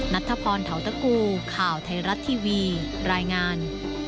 นัทธพรเทาตะกูข่าวไทยรัฐทีวีรายงาน